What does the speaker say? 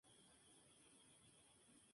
Otros dos barcos navegaron al año siguiente.